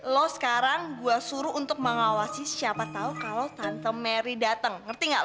lo sekarang gue suruh untuk mengawasi siapa tau kalo tante mary dateng ngerti gak lo